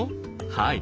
はい。